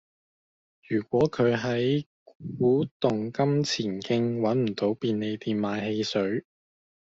如果佢喺古洞金錢徑搵唔到便利店買汽水